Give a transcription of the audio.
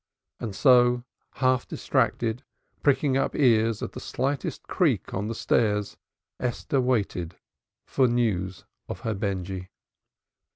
And so, half distracted, pricking up her ears at the slightest creak on the stairs, Esther waited for news of her Benjy.